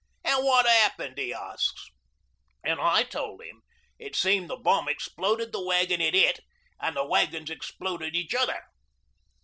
'"An' what happened?" he asks, an' I told 'im it seemed the bomb exploded the wagon it hit an' the wagons exploded each other.